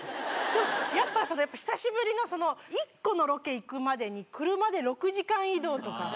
でもやっぱ久しぶりの１個のロケ行くまでに車で６時間移動とか。